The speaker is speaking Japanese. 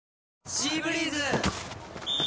「シーブリーズ」！